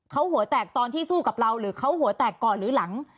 เขาหัวแตกตอนที่สู้กับเราหรือเขาหัวแตกก่อนหรือหลัง